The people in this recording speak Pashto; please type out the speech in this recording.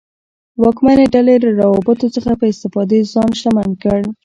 واکمنې ډلې له روابطو څخه په استفادې ځان شتمن کړ.